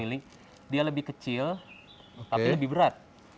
dia lebih kecil tapi lebih berat